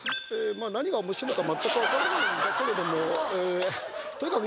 まあ何がおもしろいのか全く分からないんだけれどもえーとにかく